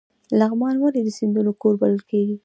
لغمان ولې د سیندونو کور بلل کیږي؟